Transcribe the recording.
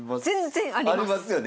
全然あります。